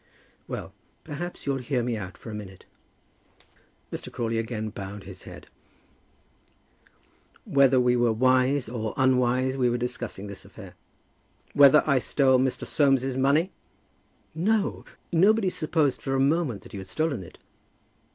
"Well, perhaps you'll hear me out for a minute." Mr. Crawley again bowed his head. "Whether we were wise or unwise, we were discussing this affair." "Whether I stole Mr. Soames's money?" "No; nobody supposed for a moment you had stolen it."